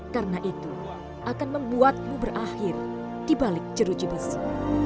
karena itu akan membuatmu berakhir di balik jeruji besi